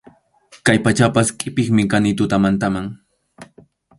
Chay pachapas qʼipiqmi kani tutamantam.